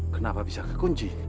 kenapa bisa terkunci